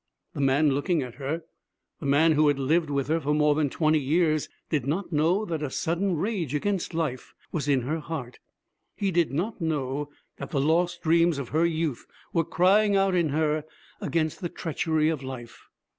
The man looking at her, the man who had lived with her for more than twenty years, did not know that a sudden rage against life was in her heart. He did not know that the lost dreams of her youth were crying out in her against the treachery of life.